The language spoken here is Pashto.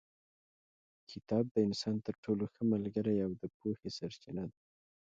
کتاب د انسان تر ټولو ښه ملګری او د پوهې سرچینه ده.